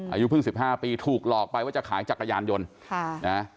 อายุเพิ่ง๑๕ปีถูกหลอกไปว่าจะขายจักรยานยนต์ค่ะนะ